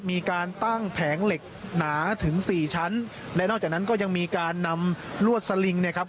มีการตั้งแผงเหล็กหนาถึงสี่ชั้นและนอกจากนั้นก็ยังมีการนำลวดสลิงเนี่ยครับ